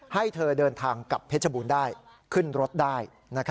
ให้เธอเดินทางกับเพชรบูรณ์ได้ขึ้นรถได้